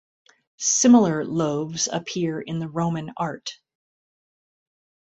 Similar loaves appear in the Roman art.